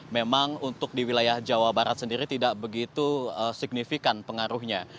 memang untuk di wilayah jawa barat sendiri tidak begitu signifikan pengaruhnya